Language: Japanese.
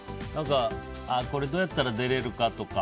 これ、どうやったら出れるかとか？